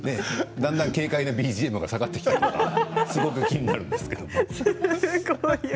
だんだん軽快なＢＧＭが下がってきたからすごく気になるんだけど。